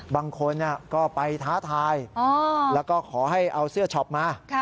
บางคนก็ไปท้าทายแล้วก็ขอให้เอาเสื้อช็อปมา